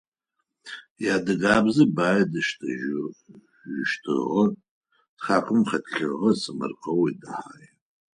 Иадыгабзэ бай диштэжьыщтыгъэ тхакӏом хэлъыгъэ сэмэркъэум идэхагъи.